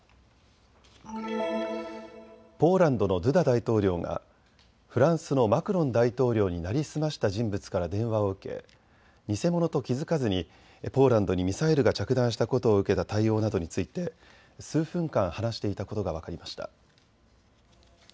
ポーランドのドゥダ大統領がフランスのマクロン大統領に成り済ました人物から電話を受け偽者と気付かずにポーランドにミサイルが着弾したことを受けた対応などについて数分間話していたことが分かりました。